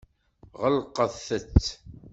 Ɣelqet-t.